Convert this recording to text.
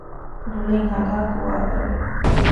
ރުޅިން ހަލާކުވާވަރު ވެ